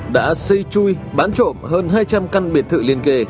đã xây chui bán trộm hơn hai trăm linh căn biệt thự liên kề